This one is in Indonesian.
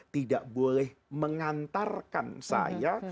tidak boleh mengantarkan saya